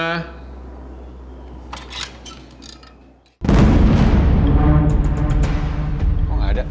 mau gak ada